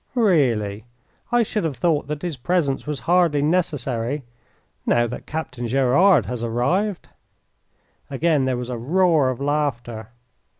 "Really, I should have thought that his presence was hardly necessary now that Captain Gerard has arrived." Again there was a roar of laughter.